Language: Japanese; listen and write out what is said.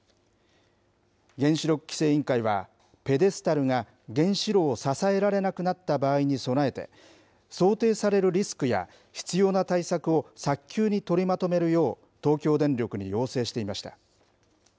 原子力規制委員会は、ペデスタルが原子炉を支えられなくなった場合に備えて、想定されるリスクや、必要な対策を早急に取りまとめるよう、東京電力に要請していました。